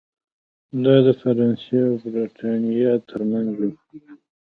دا د فرانسې او برېټانیا ترمنځ و.